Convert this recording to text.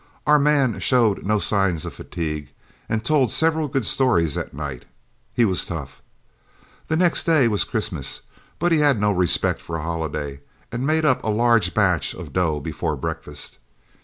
Our man showed no signs of fatigue, and told several good stories that night. He was tough. The next day was Christmas, but he had no respect for a holiday, and made up a large batch of dough before breakfast.